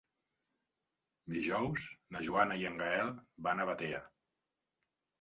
Dijous na Joana i en Gaël van a Batea.